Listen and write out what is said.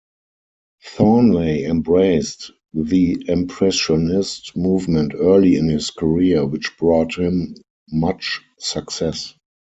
Thornley embraced the Impressionist movement early in his career, which brought him much success.